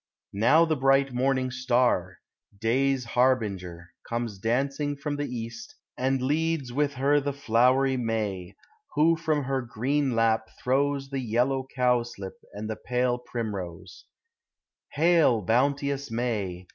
Now the bright .norning star, .lay's harbinger. Comes dancing from the east, and leads witt her The flowerv May, who from her green lap throws The yellow cowslip and the pale primrose. 86 POEMS OF NATURE. Hail, bounteous May!